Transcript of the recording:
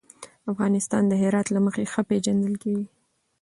افغانستان د هرات له مخې ښه پېژندل کېږي.